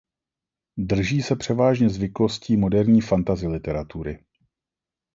Drží se převážně zvyklostí moderní fantasy literatury.